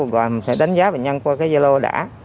mình sẽ đánh giá bệnh nhân qua gia lô đã